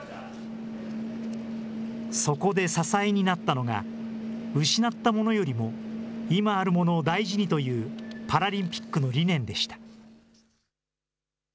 そこで支えになったのが、失ったものよりも、今あるものを大事にというパラリンピックの理念でした。